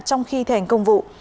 trong khi thi hành công vụ